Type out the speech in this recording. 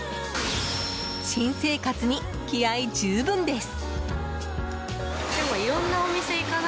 新生活に気合十分です。